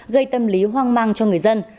gây tâm lý hoang mang cho người dân